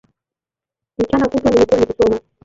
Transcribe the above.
Mchana kutwa nimekuwa nikisoma